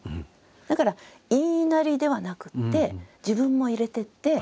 だから言いなりではなくって自分も入れていって。